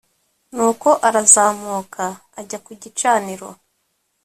nuko arazamuka ajya ku gicaniro